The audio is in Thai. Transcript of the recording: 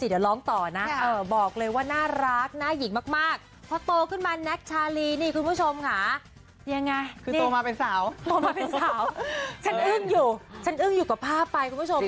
ยังไงคือโตมาเป็นสาวโตมาเป็นสาวฉันอึ้งอยู่ฉันอึ้งอยู่กับภาพไปคุณผู้ชมค่ะ